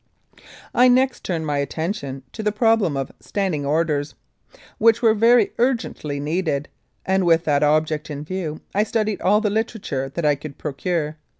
I next turned my attention to the problem of "Standing Orders," which were very urgently needed, and with that object in view I studied all the literature that I could procure.